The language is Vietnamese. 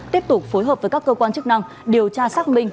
tiếp tục phối hợp với các cơ quan chức năng điều tra xác minh